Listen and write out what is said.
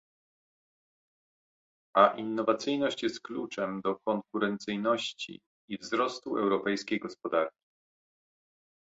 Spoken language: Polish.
A innowacyjność jest kluczem do konkurencyjności i wzrostu europejskiej gospodarki